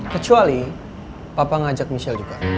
kecuali papa ngajak michelle juga